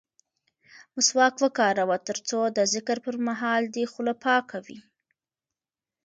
مسواک وکاروه ترڅو د ذکر پر مهال دې خوله پاکه وي.